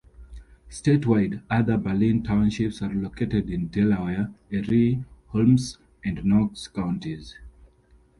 Statewide, other Berlin Townships are located in Delaware, Erie, Holmes, and Knox counties.